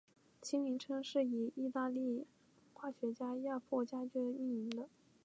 其名称是以义大利化学家亚佛加厥命名的。